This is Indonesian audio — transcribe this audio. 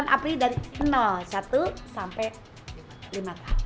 delapan april dari satu sampai lima